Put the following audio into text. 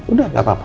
udah gak apa apa